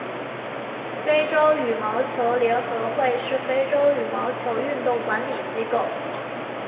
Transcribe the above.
非洲羽毛球联合会是非洲羽毛球运动管理机构。